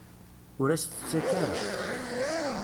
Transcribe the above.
Ur as-t-ttakk ara.